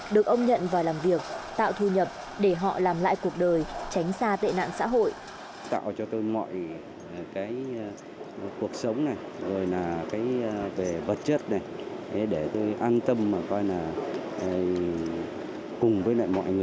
được ông nhận vào làm việc tạo thu nhập để họ làm lại cuộc đời tránh xa tệ nạn xã hội